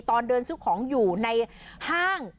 ตอนเดินซื้อของอยู่ในห้าง